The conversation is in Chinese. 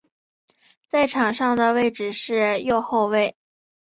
在场上的位置是右后卫。